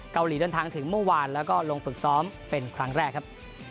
เกาหลีเดินทางถึงเมื่อวานแล้วก็ลงฝึกซ้อมเป็นครั้งแรกครับ